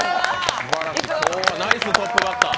今日はナイストップバッター！